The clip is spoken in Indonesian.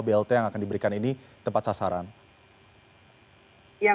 blt yang akan diberikan ini akan diberikan oleh bgjs naga kerjaan